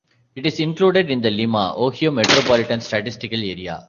It is included in the Lima, Ohio Metropolitan Statistical Area.